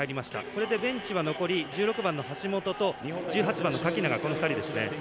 それでベンチは残り１６番の橋本と１８番の垣永の２人ですね。